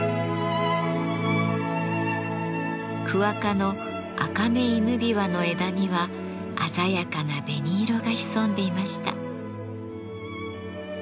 クワ科のアカメイヌビワの枝には鮮やかな紅色が潜んでいました。